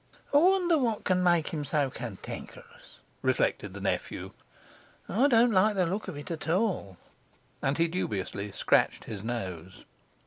'I wonder what can make him so cantankerous?' reflected the nephew. 'I don't like the look of it at all.' And he dubiously scratched his nose.